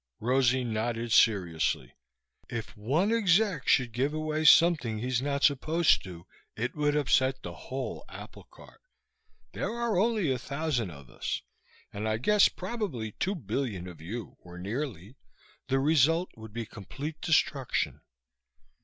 Rosie nodded seriously. "If one exec should give away something he's not supposed to it would upset the whole applecart. There are only a thousand of us, and I guess probably two billion of you, or nearly. The result would be complete destruction."